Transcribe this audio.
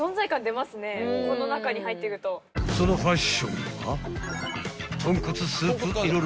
［そのファッションは］